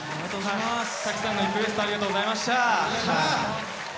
たくさんのリクエストありがとうございました。